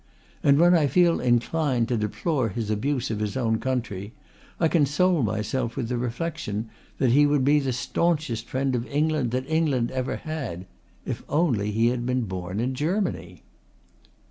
And when I feel inclined to deplore his abuse of his own country I console myself with the reflection that he would be the staunchest friend of England that England ever had if only he had been born in Germany."